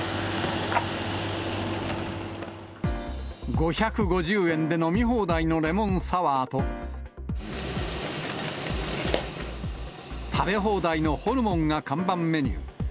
５５０円で飲み放題のレモンサワーと、食べ放題のホルモンが看板メニュー。